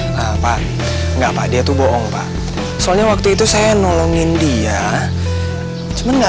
sampai jumpa di video selanjutnya